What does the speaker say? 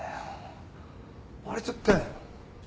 割れちゃったよ。